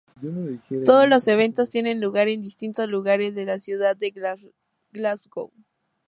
Todos los eventos tienen lugar en distintos lugares de la ciudad de Glasgow.